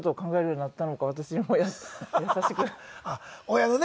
親のね